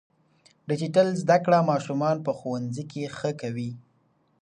ډیجیټل زده کړه ماشومان په ښوونځي کې ښه کوي.